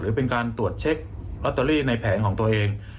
หรือเป็นการตรวจเช็คลอตเตอรี่ในแผงของตัวเอง